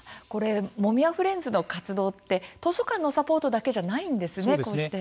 もみわフレンズの活動って図書館のサポートだけじゃないんですね。